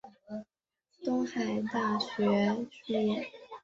东海大学卒业。